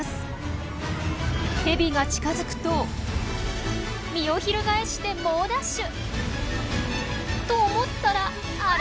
ヘビが近づくと身を翻して猛ダッシュ！と思ったらあれ？